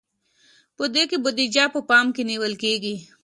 په دې کې بودیجه په پام کې نیول کیږي.